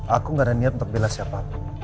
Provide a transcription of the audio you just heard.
aku gak ada niat untuk bela siapapun